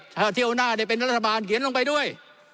ถ้าเที่ยวหน้าได้เป็นรัฐบาลเขียนลงไปด้วย